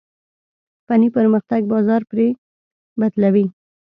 فني پرمختګ بازار پرې بدلوي.